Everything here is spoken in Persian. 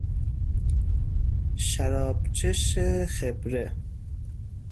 شرابچش خبره